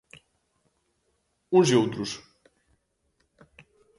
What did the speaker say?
Uns e outros.